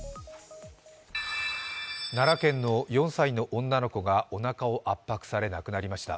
奈良県の４歳の女の子がおなかを圧迫され、亡くなりました。